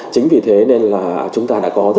chính vì thế nên là chúng ta đã có rất nhiều